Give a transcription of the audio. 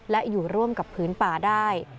และอยู่ร่วมกับพื้นป่าได้